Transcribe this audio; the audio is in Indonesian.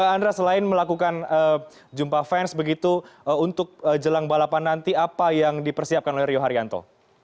andra selain melakukan jumpa fans begitu untuk jelang balapan nanti apa yang dipersiapkan oleh rio haryanto